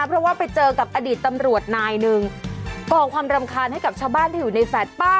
เพราะว่าไปเจอกับอดีตตำรวจนายหนึ่งกองความรำคาญให้กับชาวบ้านที่อยู่ในแฟลตป้า